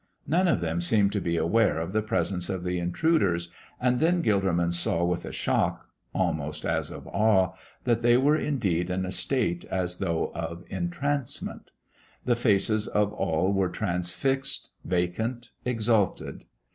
None of them seemed to be aware of the presence of the intruders, and then Gilderman saw with a shock, almost as of awe, that they were indeed in a state as though of entrancement. The faces of all were transfixed, vacant, exalted.